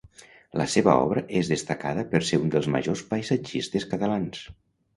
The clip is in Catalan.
La seva obra és destacada per ser un dels majors paisatgistes catalans.